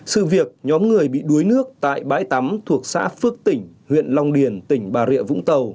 sự việc nhóm người bị đuối nước tại bãi tắm thuộc xã phước tỉnh huyện long điền tỉnh bà rịa vũng tàu